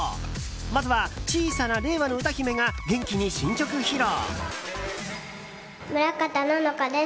まずは、小さな令和の歌姫が元気に新曲披露。